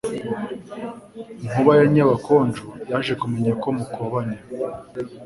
Nkuba ya Nyabakonjo yaje kumenya ko Mukobanya